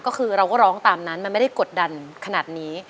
ก็คือเราก็ร้องตามนั้นมันไม่ได้กดดันขนาดนี้